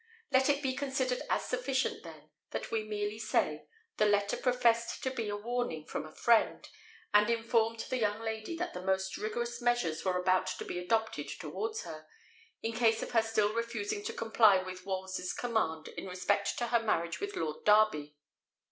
Let it be considered as sufficient, then, that we merely say, the letter professed to be a warning from a friend, and informed the young lady that the most rigorous measures were about to be adopted towards her, in case of her still refusing to comply with Wolsey's command in respect to her marriage with Lord Darby.